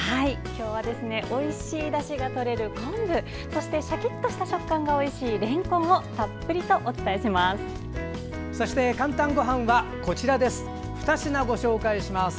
今日はおいしいだしがとれる昆布そしてしゃきっとした食感がおいしいれんこんをたっぷりご紹介します。